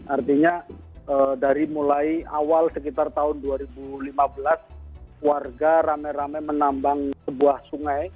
artinya dari mulai awal sekitar tahun dua ribu lima belas warga rame rame menambang sebuah sungai